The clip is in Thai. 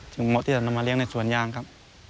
เหมาะที่จะนำมาเลี้ยในสวนยางครับ